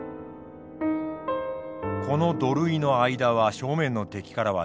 この土塁の間は正面の敵からは見えません。